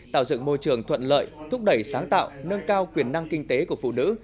tạo dựng môi trường thuận lợi thúc đẩy sáng tạo nâng cao quyền năng kinh tế của phụ nữ